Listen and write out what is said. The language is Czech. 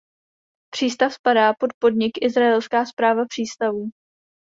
Přístav spadá pod podnik Izraelská správa přístavů.